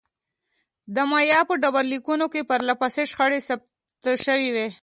د مایا په ډبرلیکونو کې پرله پسې شخړې ثبت شوې.